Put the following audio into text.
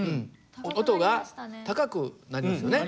音が高くなりますよね。